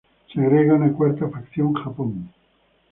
Se agrega una cuarta facción, Japón.